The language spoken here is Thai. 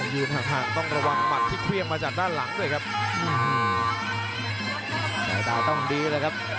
ยืนห่างห่างต้องระวังหมัดที่เครื่องมาจากด้านหลังด้วยครับแสงดาวต้องดีเลยครับ